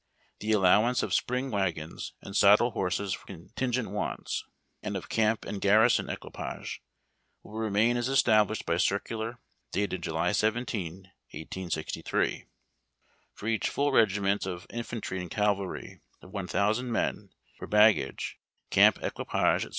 Tlie allowance of spring wagons and saddle liorses for contingent wants, and of camp and garrison equipage, will remain as established by circular, dated July 17, 1863. 2. For each full regiment of infantry and cavalry, of 1000 men, for bag gage, camp equipage, &c.